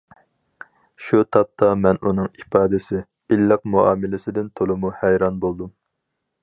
شۇ تاپتا مەن ئۇنىڭ‹‹ ئىپادىسى››،‹‹ ئىللىق›› مۇئامىلىسىدىن تولىمۇ ھەيران بولدۇم.